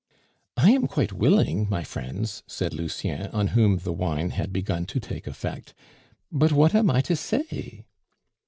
"I am quite willing, my friends," said Lucien, on whom the wine had begun to take effect. "But what am I to say?"